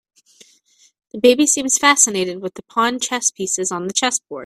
The baby seems fascinated with the pawn chess pieces on the chessboard.